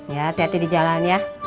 ya hati hati di jalan ya